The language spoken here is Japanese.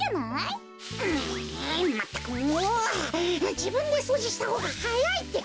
じぶんでそうじしたほうがはやいってか！